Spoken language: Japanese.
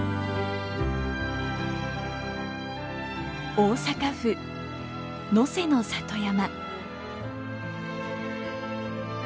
大阪府能勢の里山。